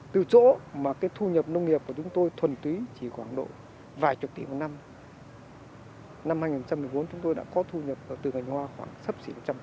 từ chỗ mà cái thu nhập nông nghiệp của chúng tôi thuần túy chỉ khoảng độ vài chục tỷ một năm hai nghìn một mươi bốn chúng tôi đã có thu nhập từ gành hoa khoảng sắp xỉ một trăm linh